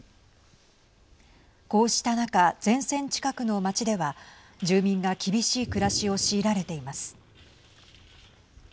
こうした中、前線近くの町では住民が厳しい暮らしを強いられています。